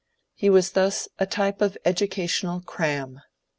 He was thus a type of educational ^^ cram."